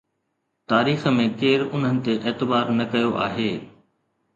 تاريخ ۾ ڪير انهن تي اعتبار نه ڪيو آهي؟